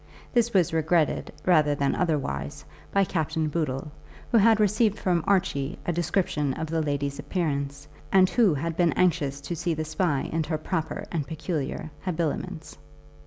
This was regretted, rather than otherwise, by Captain Boodle, who had received from Archie a description of the lady's appearance, and who had been anxious to see the Spy in her proper and peculiar habiliments.